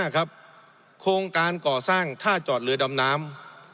โครงการก่อสร้างท่าจอดเรือดำน้ำ